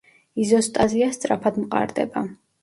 იზოსტაზია სწრაფად მყარდება.